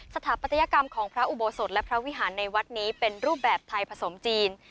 สถาปัตยกรรมของพระอุโบสถและพระวิหารในวัดนี้เป็นรูปแบบไทยผสมจีน